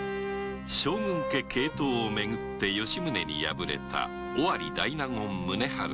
将軍職継統をめぐって吉宗に敗れた尾張大納言宗春である。